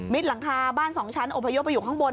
มิดหลังคาบ้านสองชั้นอบพยกไปอยู่ข้างบน